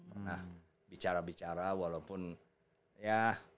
pernah bicarabicara walaupun ya